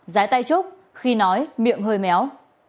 giái tay trúc khi nói miệng hơi méo